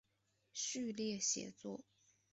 序列写作。